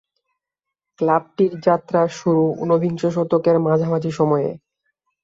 ক্লাবটির যাত্রা শুরু ঊনবিংশ শতকের মাঝামাঝি সময়ে।